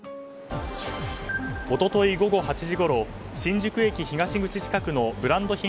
一昨日午後８時ごろ新宿駅東口近くのブランド品